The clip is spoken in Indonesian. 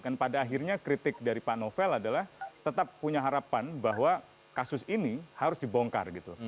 kan pada akhirnya kritik dari pak novel adalah tetap punya harapan bahwa kasus ini harus dibongkar gitu